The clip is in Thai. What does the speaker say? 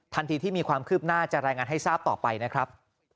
ทันทีที่มีความคืบหน้าจะรายงานให้ทราบต่อไปนะครับ